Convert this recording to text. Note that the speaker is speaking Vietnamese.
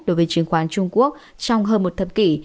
đối với chứng khoán trung quốc trong hơn một thập kỷ